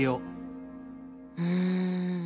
うん。